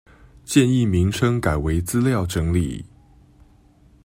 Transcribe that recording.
建議名稱改為資料整理